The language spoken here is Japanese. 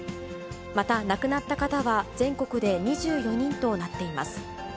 また、亡くなった方は全国で２４人となっています。